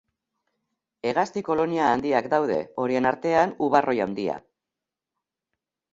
Hegazti kolonia handiak daude, horien artean ubarroi handia.